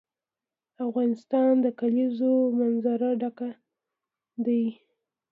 افغانستان له د کلیزو منظره ډک دی.